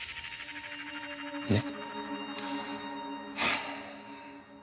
ねっ？